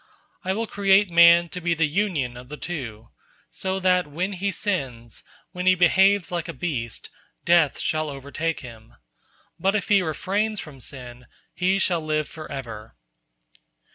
I will create man to be the union of the two, so that when he sins, when he behaves like a beast, death shall overtake him; but if he refrains from sin, he shall live forever."